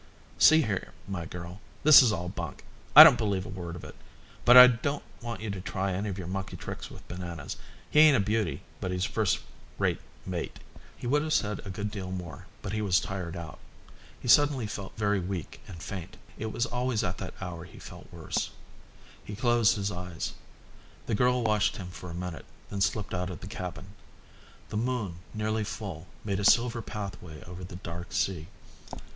"See here, my girl, this is all bunk. I don't believe a word of it. But I don't want you to try any of your monkey tricks with Bananas. He ain't a beauty, but he's a first rate mate." He would have said a good deal more, but he was tired out. He suddenly felt very weak and faint. It was always at that hour that he felt worse. He closed his eyes. The girl watched him for a minute and then slipped out of the cabin. The moon, nearly full, made a silver pathway over the dark sea.